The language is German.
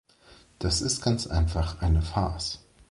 Das ist ganz einfach eine Farce.